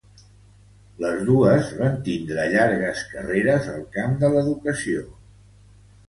Les dos van tindre llargues carreres al camp de l'educació.